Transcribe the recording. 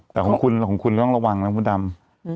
แล้วของคุณก็ต้องระวังนะน้ำผู้ดำ